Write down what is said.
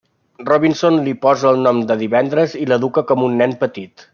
Robinson li posa el nom de Divendres i l'educa com a un nen petit.